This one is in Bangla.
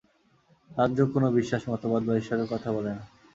রাজযোগ কোন বিশ্বাস, মতবাদ বা ঈশ্বরের কথা বলে না।